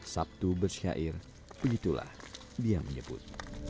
sabtu bersyair begitulah dia menyebut